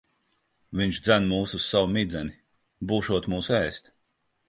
Viņš dzen mūs uz savu midzeni. Būšot mūs ēst.